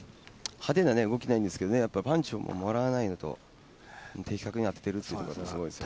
派手な動きないんですけど、パンチをもらわないのと的確に当てているのがすごいですね。